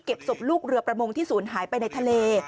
ศพลูกเรือประมงที่ศูนย์หายไปในทะเล